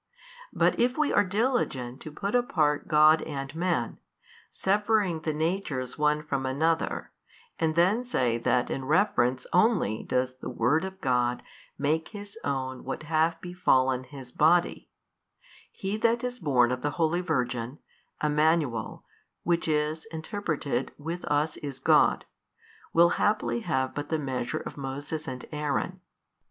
But if we are |236 diligent to put apart God and Man, severing the Natures one from another, and then say that in reference only does the Word of God make His own what have befallen His Body; He That is born of the holy Virgin, Emmanuel, which is, interpreted, With us is God, will haply have but the measure of Moses and Aaron.